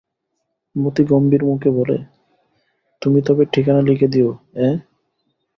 মতি গম্ভীর মুখে বলে, তুমি তবে ঠিকানা লিখে দিও, অ্যাঁ?